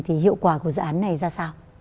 hiệu quả của dự án này ra sao